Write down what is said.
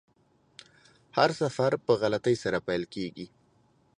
هر سفر په غلطۍ سره پیل کیږي.